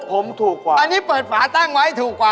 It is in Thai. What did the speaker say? ผมทุกว่ะอันนี้เปิดฝาตั้งไว้ทุกว่ะ